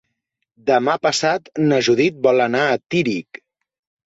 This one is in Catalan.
Demà passat na Judit vol anar a Tírig.